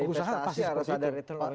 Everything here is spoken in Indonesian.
pengusaha pasti seperti itu